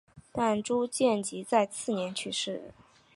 但朱见济在次年去世。